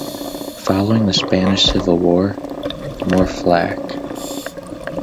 Following the Spanish Civil war, more Flak.